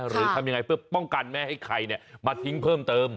หรือทำยังไงเพื่อป้องกันไม่ให้ใครมาทิ้งเพิ่มเติม